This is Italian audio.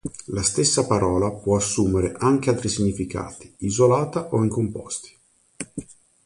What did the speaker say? La stessa parola può assumere anche altri significati, isolata o in composti.